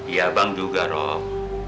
iya bang juga rok